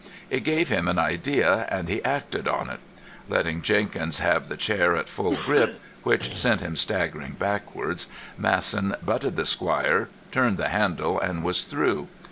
It gave him an idea, and he acted on it. Letting Jenkins have the chair at full grip, which sent him staggering backwards, Masson butted the squire, turned the handle, and was through.